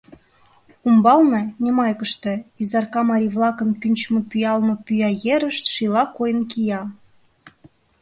Умбалне, Немайкыште, Изарка марий-влакын кӱнчымӧ-пӱялыме пӱя-ерышт шийла койын кия.